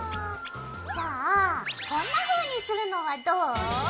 じゃあこんなふうにするのはどう？